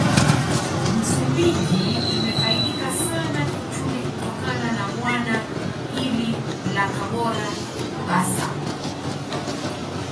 Msumbiji imefaidika sana kiuchumi kutokana na Bwawa hili la Kabora basa